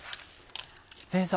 先生